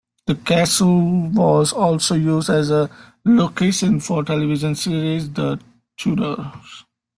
The castle was also used as a location for television series "The Tudors".